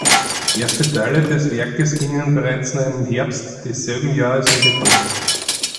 Erste Teile des Werks gingen bereits im Herbst desselben Jahres in Betrieb.